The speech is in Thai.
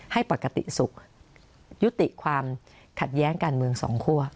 ให้ปกติสุขยุติความขัดแย้งการเมืองสองคั่ว